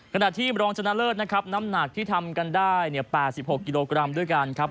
ขณะที่รองชนะเลิศนะครับน้ำหนักที่ทำกันได้๘๖กิโลกรัมด้วยกันครับ